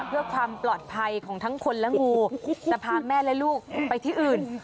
เพื่อความปลอดภัยของทั้งคนและงูจะพาแม่และลูกไปที่อื่น